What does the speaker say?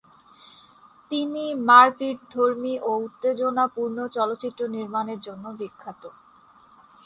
তিনি মারপিঠধর্মী ও উত্তেজনাপূর্ণ চলচ্চিত্র নির্মাণের জন্য বিখ্যাত।